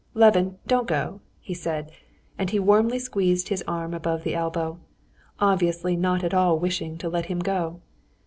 "Levin, don't go," he said, and he warmly squeezed his arm above the elbow, obviously not at all wishing to let him go.